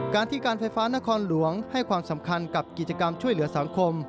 การที่การไฟฟ้านครหลวงให้ความสำคัญกับกิจกรรมช่วยเหลือสังคม